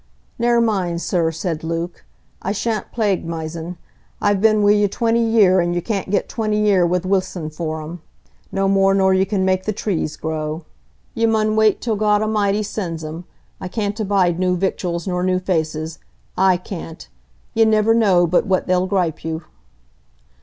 "Ne'er mind, sir," said Luke, "I sha'n't plague mysen. I'n been wi' you twenty year, an' you can't get twenty year wi' whistlin' for 'em, no more nor you can make the trees grow: you mun wait till God A'mighty sends 'em. I can't abide new victual nor new faces, I can't,—you niver know but what they'll gripe you."